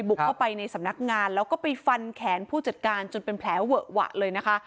บุกเข้าไปในสำนักงานแล้วก็ไปฟันแขนผู้จัดการจนเป็นแผลเวอะหวะเลยนะคะ